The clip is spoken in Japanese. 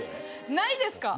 ないですか？